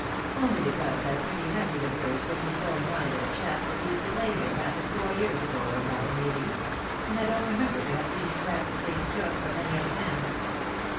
" Only because that pretty hazard of yours put me so in mind of a chap that used to play here half a score years ago, or more, may be ; and I don't remember to have seen exact the same stroke from any other man."